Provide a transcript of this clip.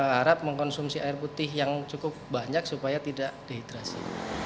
harap mengkonsumsi air putih yang cukup banyak supaya tidak dehidrasi